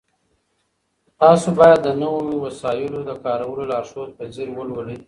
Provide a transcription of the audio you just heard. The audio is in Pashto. تاسو باید د نويو وسایلو د کارولو لارښود په ځیر ولولئ.